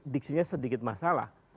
diksinya sedikit masalah